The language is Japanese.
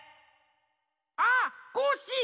あっコッシー！